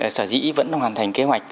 sở dĩ vẫn hoàn thành kế hoạch